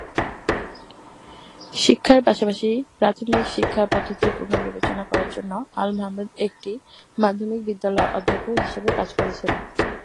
শিক্ষার পাশাপাশি, প্রাথমিক শিক্ষা পদ্ধতি পুনর্বিবেচনা করার জন্য আল-মাহমুদ একটি মাধ্যমিক বিদ্যালয়ে অধ্যক্ষ হিসেবে কাজ করেছেন।